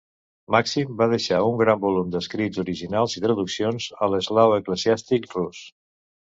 Màxim va deixar un gran volum d'escrits originals i traduccions a l'eslau eclesiàstic rus.